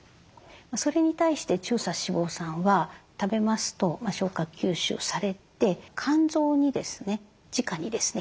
それに対して中鎖脂肪酸は食べますと消化吸収されて肝臓にですねじかにですね